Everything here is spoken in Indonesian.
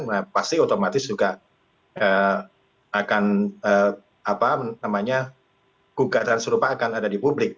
nah pasti otomatis juga akan apa namanya gugatan serupa akan ada di publik